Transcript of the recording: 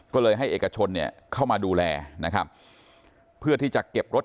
ก็เลยให้เอกชนเนี่ยเข้ามาดูแลนะครับเพื่อที่จะเก็บรถ